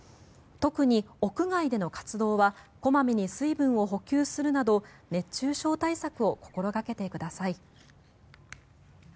特に屋外での活動は小まめに水分を補給するなど熱中症対策を心掛けてください。